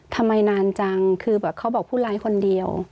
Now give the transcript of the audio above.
ทำไมนานจังคือแบบเขาบอกผู้ร้ายคนเดียว